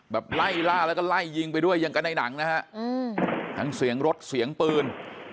แบบไล่ล่าแล้วก็ไล่ยิงไปด้วยอย่างกันในหนังนะฮะทั้งเสียงรถเสียงปืน